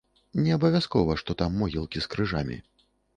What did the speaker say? Неабавязкова, што там могілкі з крыжамі.